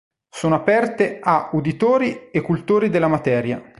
Sono aperte a uditori e cultori della materia.